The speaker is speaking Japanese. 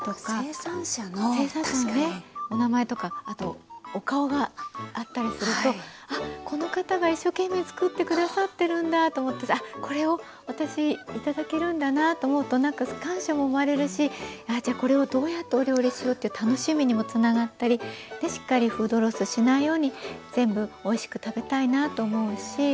生産者のねお名前とかあとお顔があったりするとあっこの方が一生懸命作って下さってるんだと思ってこれを私頂けるんだなと思うとなんか感謝も生まれるしじゃあこれをどうやってお料理しようっていう楽しみにもつながったりしっかりフードロスしないように全部おいしく食べたいなと思うし。